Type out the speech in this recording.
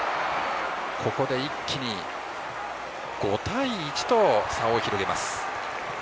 ここで一気に５対１と差を広げます。